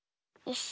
よし。